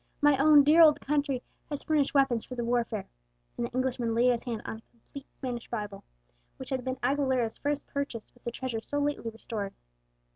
my own dear old country has furnished weapons for the warfare;" and the Englishman laid his hand on a complete Spanish Bible, which had been Aguilera's first purchase with the treasure so lately restored.